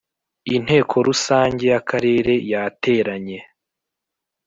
inteko rusange y Akarere yateranye